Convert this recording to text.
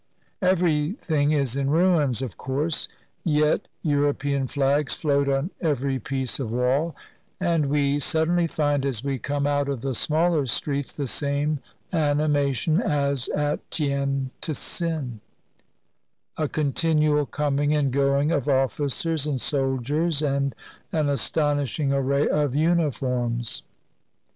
Everything is in ruins, of course; yet European flags float on every piece of wall; and we suddenly find, as we come out of the smaller streets, the same animation as at Tien tsin, — a continual coming and going of officers and soldiers, and an astonishing array of uniforms.